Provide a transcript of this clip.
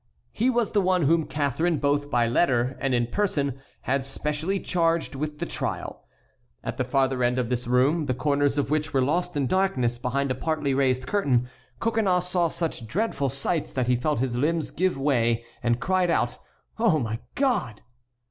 He was the one whom Catharine, both by letter and in person, had specially charged with the trial. At the farther end of this room, the corners of which were lost in darkness behind a partly raised curtain, Coconnas saw such dreadful sights that he felt his limbs give away, and cried out: "Oh, my God!"